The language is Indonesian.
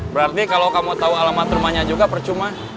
berarti kalau kamu tahu alamat rumahnya juga percuma